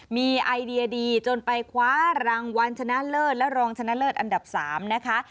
มีไอเดียดีจนไปคว้ารางวัลชนะเลิศและรองชนะเลิศอันดับ๓นะคะ